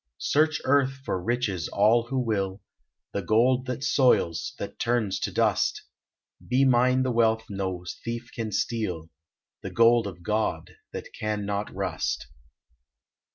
Search Earth for riches all who will, The gold that soils, that turns to dust Be mine the wealth no thief can steal, The gold of God that can not rust.